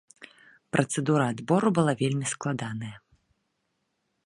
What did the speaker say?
Працэдура адбору была вельмі складаная.